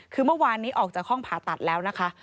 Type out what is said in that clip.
คือเมื่อวานนี้ออกจากห้องผ่าตัดแล้วนะคะ